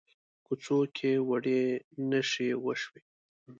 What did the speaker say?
کوڅو کې وړې نښتې وشوې.